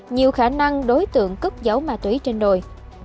nhiều khả năng đối tượng cất giấu ma túy trên đồi